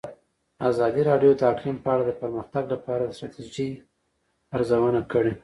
ازادي راډیو د اقلیم په اړه د پرمختګ لپاره د ستراتیژۍ ارزونه کړې.